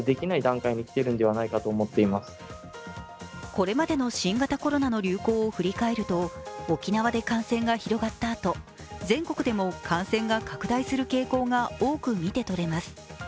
これまでの新型コロナの流行を振り返ると沖縄で感染が広がったあと全国でも感染が拡大する傾向が多く見て取れます。